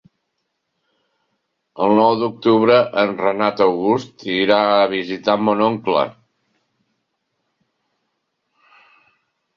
El nou d'octubre en Renat August irà a visitar mon oncle.